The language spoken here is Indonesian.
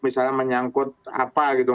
misalnya menyangkut apa gitu